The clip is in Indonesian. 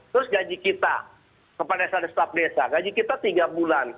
terus gaji kita kepala desa dan staf desa gaji kita tiga bulan